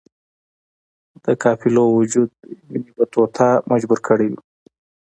د قافلو وجود ابن بطوطه مجبور کړی وی.